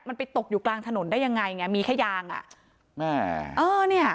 มันไปตกอยู่กลางถนนได้ยังไงไงมีแค่ยางอ่ะแม่เออเนี้ย